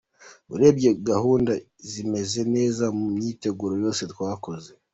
Urebye gahunda zimeze neza mu myiteguro yose twakoze.